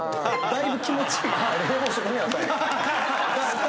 だいぶ気持ちいい。